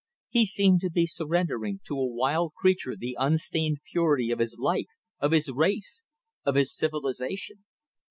He seemed to be surrendering to a wild creature the unstained purity of his life, of his race, of his civilization.